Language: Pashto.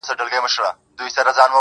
د ښویېدلي سړي لوري د هُدا لوري.